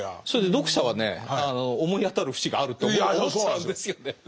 そうです読者はね思い当たる節があると僕思っちゃうんですけどね。